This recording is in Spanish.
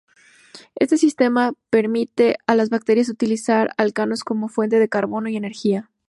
Este sistema permite a las bacterias utilizar alcanos como fuente de carbono y energía.